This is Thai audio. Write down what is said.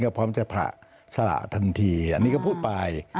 พร้อมจะผละสละทันทีอันนี้ก็พูดไป